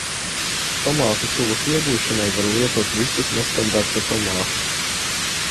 Tomātu sulas iegūšanai var lietot visus nestandarta tomātus.